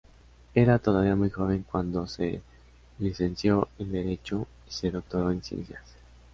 Era todavía muy joven cuando se licenció en Derecho y se doctoró en Ciencias.